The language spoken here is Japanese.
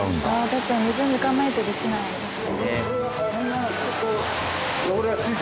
確かに水を抜かないとできないですね。